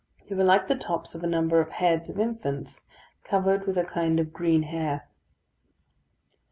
They were like the tops of a number of heads of infants, covered with a kind of green hair.